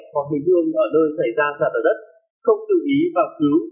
hoặc người thương ở nơi xảy ra sạt lở đất không tự ý vào cứu